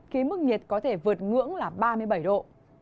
khi mức nhiệt có thể vượt ngưỡng là ba mươi bảy độ